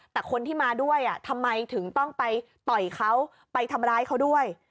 แต่คนที่มาด้วยทำไมถึงต้องไปต่อยเขาไปทำร้ายเขาด้วย